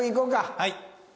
はい。